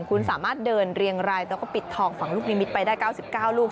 คุณสามารถเดินเรียงรายแล้วก็ปิดทองฝั่งลูกนิมิตไปได้๙๙ลูก